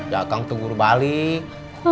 aku tuh negur balik